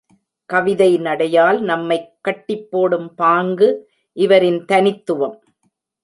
கவிதை நடையால் நம்மைக் கட்டிப்போடும் பாங்கு இவரின் தனித்துவம்.